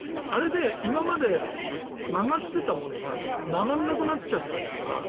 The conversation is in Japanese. あれで今まで曲がっていたものが曲がらなくなっちゃったりとか。